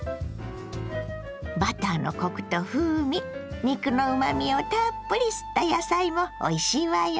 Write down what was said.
バターのコクと風味肉のうまみをたっぷり吸った野菜もおいしいわよ。